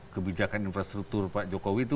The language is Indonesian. kebijakan infrastruktur pak jokowi itu